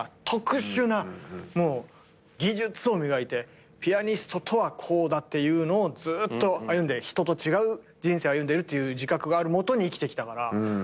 特殊な技術を磨いてピアニストとはこうだっていうのをずっと歩んで人と違う人生を歩んでるっていう自覚があるもとに生きてきたから。